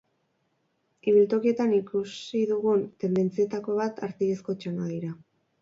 Ibiltokietan ikusi dugun tendentzietako bat artilezko txanoak dira.